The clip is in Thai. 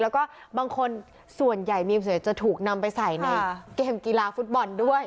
แล้วบางคนส่วนใหญ่จะถูกนำไปใส่กีลาฟุตบอลด้วย